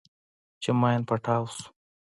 چې ماين پټاو سو.